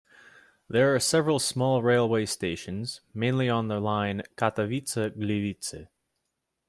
There are several small railway stations, mainly on the line Katowice-Gliwice.